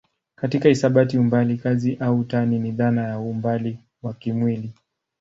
Katika hisabati umbali kazi au tani ni dhana ya umbali wa kimwili.